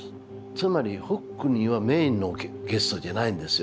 つまりホックニーはメインのゲストじゃないんですよ。